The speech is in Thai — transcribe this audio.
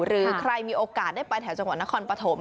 หรือใครมีโอกาสได้ไปแถวจังหวัดนครปฐม